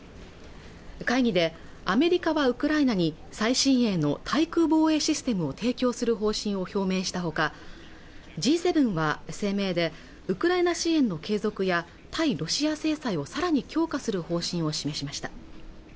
会議でアメリカはウクライナに最新鋭の対空防衛システムを提供する方針を表明したほかＧ７は声明でウクライナ支援の継続や対ロシア制裁をさらに強化する方針を示しました